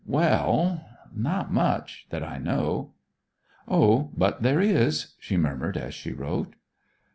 'Well not much, that I know.' 'O, but there is,' she murmured as she wrote.